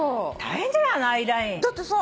だってさ